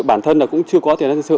bản thân là cũng chưa có tiền đến sự